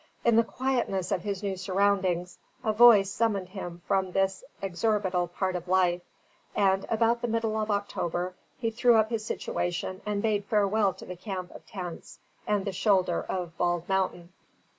In the quietness of his new surroundings, a voice summoned him from this exorbital part of life, and about the middle of October he threw up his situation and bade farewell to the camp of tents and the shoulder of Bald Mountain.